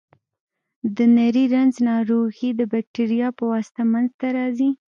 د نري رنځ ناروغي د بکتریا په واسطه منځ ته راځي.